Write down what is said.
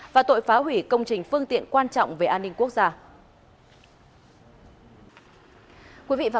và tội phá hủy công trình phương tiện quan trọng về an ninh quốc gia